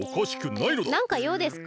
なんかようですか？